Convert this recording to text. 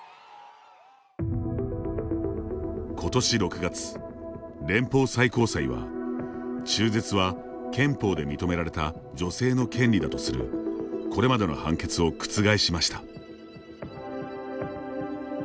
今年６月、連邦最高裁は「中絶は憲法で認められた女性の権利だ」とするこれまでの判決を覆しました。